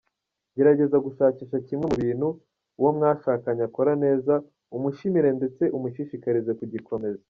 Gerageza gushakisha kimwe mu bintu uwo mwashakanye akora neza, umushimire ndetse umushishikarize kugikomeza.